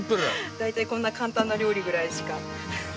大体こんな簡単な料理くらいしか。